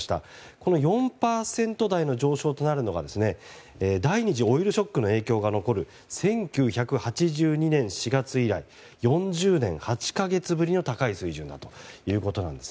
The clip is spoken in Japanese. この４％台の上昇となるのは第２次オイルショックの影響が残る１９８２年４月以来４０年８か月ぶりの高い水準だということです。